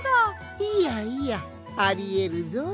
いやいやありえるぞい。